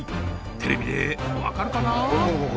テレビで分かるかな？